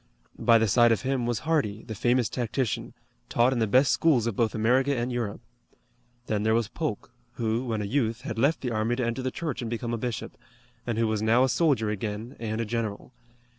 By the side of him was Hardee, the famous tactician, taught in the best schools of both America and Europe. Then there was Polk, who, when a youth, had left the army to enter the church and become a bishop, and who was now a soldier again and a general.